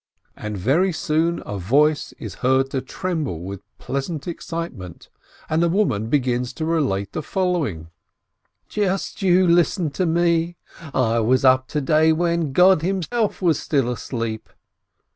And very soon a voice is heard to tremble with pleasant excitement, and a woman begins to relate the following : "Just you listen to me : I was up to day when God Himself was still asleep."